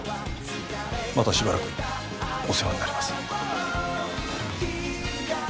またしばらくお世話になります。